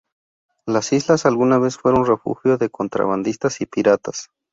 Las islas alguna vez fueron refugio de contrabandistas y piratas.